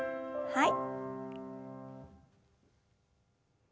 はい。